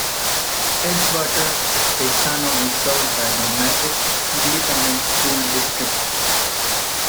Edgewater-Paisano is served by the Mathis Independent School District.